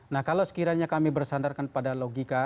nah kalau sekiranya kami bersandarkan pada logika